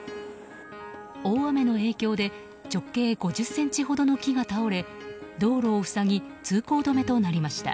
大雨の影響で直径５０ｃｍほどの木が倒れ道路を塞ぎ通行止めとなりました。